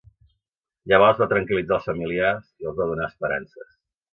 Llavors va tranquil·litzar els familiars i els va donar esperances.